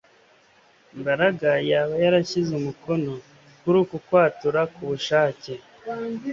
Mbaraga yaba yarashyize umukono kuri uku kwatura kubushake